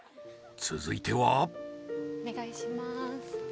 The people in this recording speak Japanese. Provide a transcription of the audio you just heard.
続いてはお願いしまーす